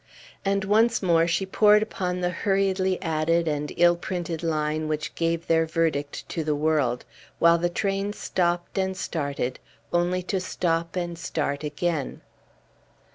And once more she pored upon the hurriedly added and ill printed line which gave their verdict to the world, while the train stopped and started, only to stop and start again.